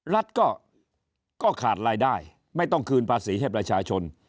รัฐก็ขาดรายได้ไม่ต้องคืนภาษีให้ประชาชน